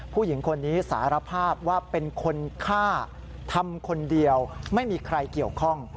ผู้หญิงคนนี้สารภาพว่าเป็นคนฆ่าทำคนเดียวไม่มีใครเกี่ยวข้อง